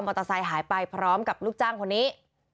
เตอร์ไซค์หายไปพร้อมกับลูกจ้างคนนี้